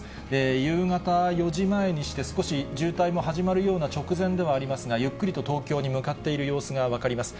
夕方４時前にして、少し渋滞も始まるような直前ではありますが、ゆっくりと東京に向かっている様子が分かります。